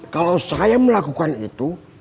kalau saya melakukan itu